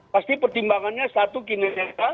pasti pertimbangannya satu kinerja